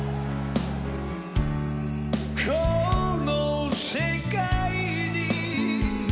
「この世界に」